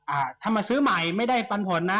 อ่าถ้ามาซื้อใหม่ไม่ได้ปันผลนะ